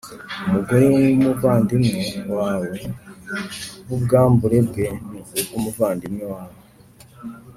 umugore w umuvandimwe wawe b Ubwambure bwe ni ubw umuvandimwe wawe